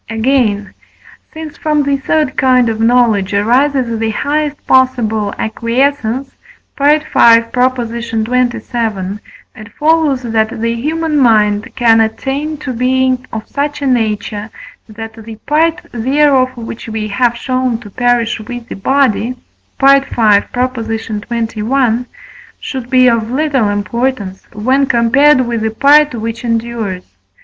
Again, since from the third kind of knowledge arises the highest possible acquiescence (V. xxvii.), it follows that the human mind can attain to being of such a nature, that the part thereof which we have shown to perish with the body (V. xxi.) should be of little importance when compared with the part which endures.